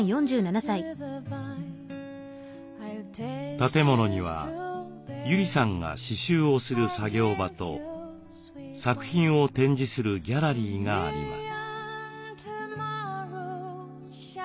建物には友里さんが刺しゅうをする作業場と作品を展示するギャラリーがあります。